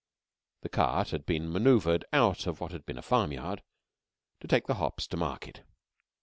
A cart had to be maneuvered out of what had been a farmyard, to take the hops to market.